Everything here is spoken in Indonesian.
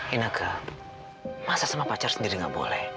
inaka masa sama pacar sendiri gak boleh